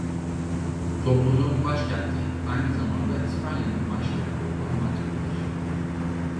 Topluluğun başkenti aynı zamanda İspanya'nın başkenti olan Madrid'dir.